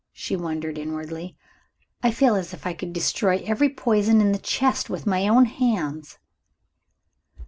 she wondered inwardly. "I feel as if I could destroy every poison in the chest with my own hands."